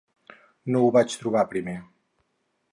No ho vaig trobar primer.